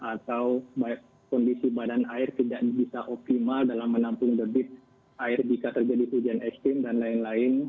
atau kondisi badan air tidak bisa optimal dalam menampung debit air jika terjadi hujan ekstrim dan lain lain